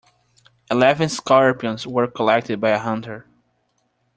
Eleven scorpions were collected by a hunter.